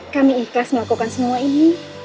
kami ikhlas melakukan semua ini